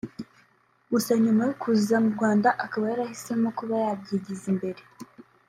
gusa nyuma yo kuza mu Rwanda akaba yarahisemo kuba yabyigiza imbere